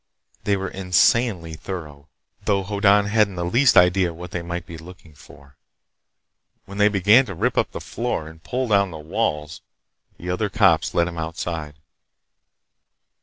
They were insanely thorough, though Hoddan hadn't the least idea what they might be looking for. When they began to rip up the floor and pull down the walls, the other cops led him outside.